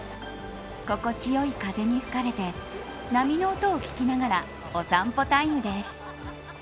心地良い風に吹かれて波の音を聞きながらお散歩タイムです。